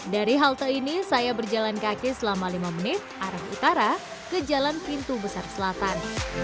dari halte ini saya berjalan kaki selama lima menit arah utara ke jalan pintu besar selatan